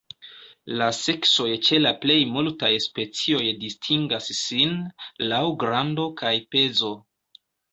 La seksoj ĉe la plej multaj specioj distingas sin laŭ grando kaj pezo.